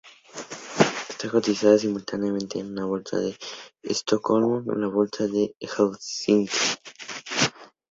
Está cotizada simultáneamente en la Bolsa de Estocolmo y en la Bolsa de Helsinki.